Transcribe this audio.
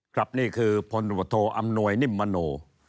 ครับนี่คือพลวทออำนวยนิมโมโน